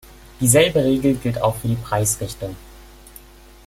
Dieselbe Regel gilt auch für die Preisrichter.